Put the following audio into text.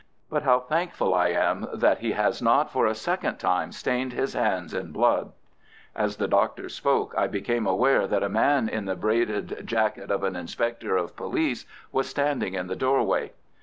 But how thankful I am that he has not for a second time stained his hands in blood." As the Doctor spoke I became aware that a man in the braided jacket of an inspector of police was standing in the doorway.